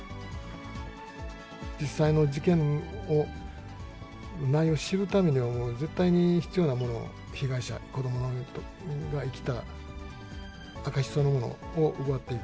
実際の事件を、内容を知るためには、絶対に必要なもの、被害者、子どもが生きた証しそのものを奪っている。